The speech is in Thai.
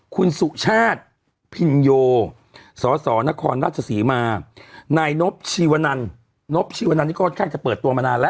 คุณสุชาติพิญโยสสนครรัฐศีรมานายนพชีวนันนพชีวนันที่ก็แค่จะเปิดตัวมานานแล้ว